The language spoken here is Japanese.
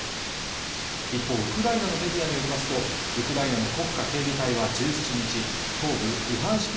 一方ウクライナのメディアによりますとウクライナの国家警備隊は１７日東部ルハンシク